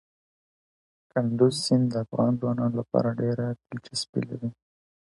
کندز سیند د افغان ځوانانو لپاره ډېره دلچسپي لري.